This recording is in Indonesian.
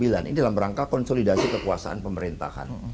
ini dalam rangka konsolidasi kekuasaan pemerintahan